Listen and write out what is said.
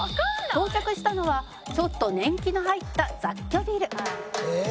「到着したのはちょっと年季の入った雑居ビル」「えっ？」